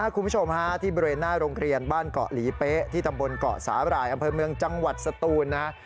คุณผู้ชมที่เบรน่าโรงกระเมียนบ้านกะหลีเป๊ะที่ทำบนกะสาหร่ายอำเภอเมืองจังหวัดสตูนนะฮะ